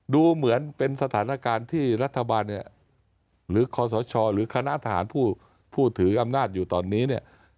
ดูเหมือนเป็นสถานการณ์ที่รัฐบาลเนี่ยหรือคอสชหรือคณะทหารผู้ถืออำนาจอยู่ตอนนี้เนี่ย